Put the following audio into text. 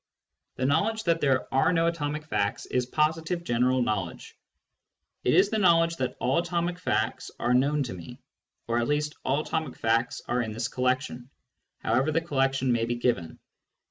The knowledge that there are no other atomic facts is positive general knowledge ; it is the knowledge that " all atomic facts are known to me," or at least "all atomic facts are in this collection "— however the collection may be given.